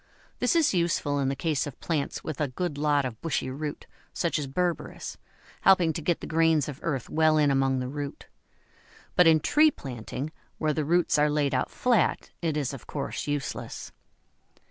This is useful in the case of plants with a good lot of bushy root, such as Berberis, helping to get the grains of earth well in among the root; but in tree planting, where the roots are laid out flat, it is of course useless.